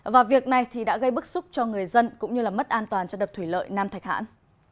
và việc này thì đã gây bức xúc cho người dân cũng như là mất an toàn cho đập thủy lợi nam thạch hãn